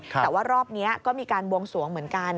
แต่ว่ารอบนี้ก็มีการบวงสวงเหมือนกัน